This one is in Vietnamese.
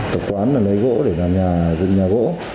tập quán là lấy gỗ để làm nhà dựng nhà gỗ